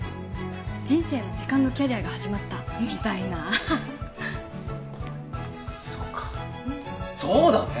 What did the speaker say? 人生のセカンドキャリアが始まったみたいなそうかそうだね！